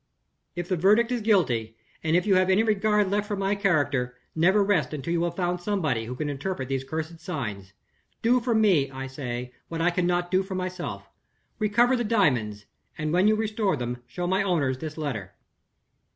"If the verdict is guilty, and if you have any regard left for my character, never rest until you have found somebody who can interpret these cursed signs. Do for me, I say, what I cannot do for myself. Recover the diamonds; and, when you restore them, show my owners this letter.